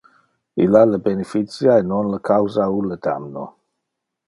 Illa le beneficia e non le causa ulle damno.